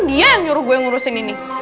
dia yang nyuruh gue yang ngurusin ini